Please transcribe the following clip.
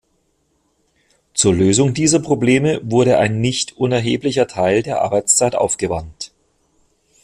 Zur Lösung dieser Probleme wurde ein nicht unerheblicher Teil der Arbeitszeit aufgewandt.